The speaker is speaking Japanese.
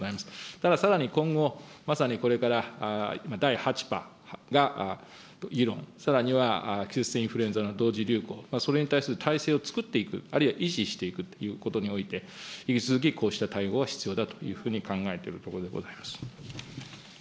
たださらに、今後、まさにこれから今第８波が議論、さらには季節性インフルエンザの同時流行、それに対する体制を作っていく、あるいは維持していくということにおいて、引き続き、こうした対応は必要だというふうに考えているところでございます。